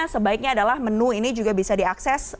sebaiknya adalah menu ini juga bisa diakses